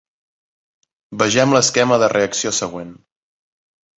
Vegem l'esquema de reacció següent.